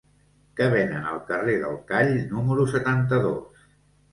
Què venen al carrer del Call número setanta-dos?